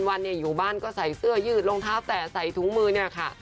วันเนี่ยอยู่บ้านก็ใส่เสื้อยืดรองเท้าแตะใส่ถุงมือเนี่ยค่ะ